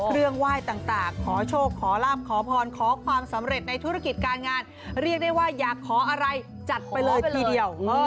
เรียกได้ว่าอยากขออะไรจัดไปเลยทีเดียว